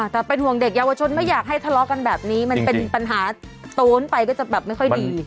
แต่เป็นห่วงเด็กเยาวชนไม่อยากให้ทะเลาะกันแบบนี้มันเป็นปัญหาโต้นไปก็จะแบบไม่ค่อยดี